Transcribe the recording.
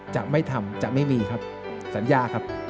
จะไม่ทำจะไม่มีครับสัญญาครับ